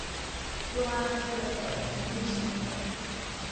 rwo hasi bakajya ku rwisumbuye